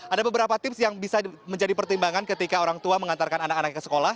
ada beberapa tips yang bisa menjadi pertimbangan ketika orang tua mengantarkan anak anak ke sekolah